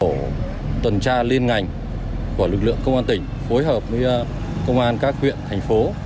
tổ tuần tra liên ngành của lực lượng công an tỉnh phối hợp với công an các huyện thành phố